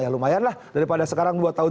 ya lumayan lah daripada sekarang dua tahun